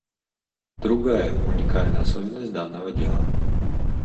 Другая уникальная особенность данного дела.